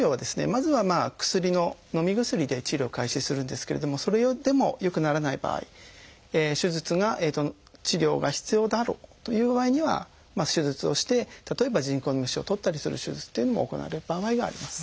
まずは薬ののみ薬で治療を開始するんですけれどもそれでも良くならない場合手術が治療が必要だろうという場合には手術をして例えば人工メッシュを取ったりする手術というのも行われる場合があります。